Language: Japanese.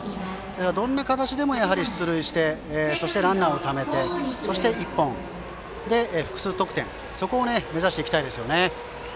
どんな形でも出塁してそしてランナーをためて、１本で複数得点を目指していきたいです。